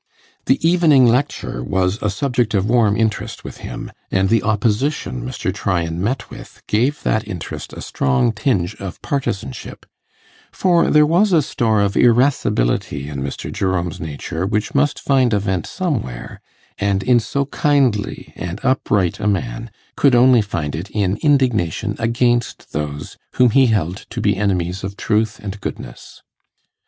The evening lecture was a subject of warm interest with him, and the opposition Mr. Tryan met with gave that interest a strong tinge of partisanship; for there was a store of irascibility in Mr. Jerome's nature which must find a vent somewhere, and in so kindly and upright a man could only find it in indignation against those whom he held to be enemies of truth and goodness.